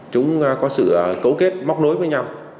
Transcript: chúng có sự cấu kết móc nối với nhau